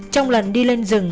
trong lần đi lên rừng